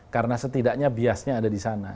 karena setidaknya biasnya ada di sana